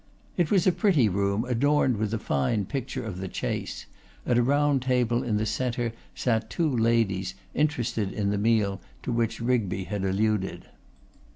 It was a pretty room adorned with a fine picture of the chase; at a round table in the centre sat two ladies interested in the meal to which Rigby had alluded.